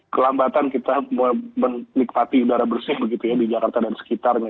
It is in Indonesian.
kelambatan kita menikmati udara bersih di jakarta dan sekalian